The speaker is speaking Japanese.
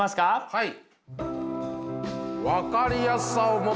はい。